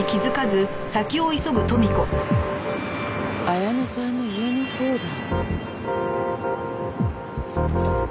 彩乃さんの家のほうだ。